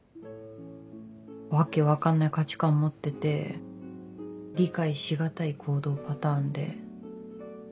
訳分かんない価値観持ってて理解しがたい行動パターンで。